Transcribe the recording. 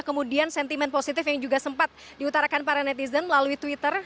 kemudian sentimen positif yang juga sempat diutarakan para netizen melalui twitter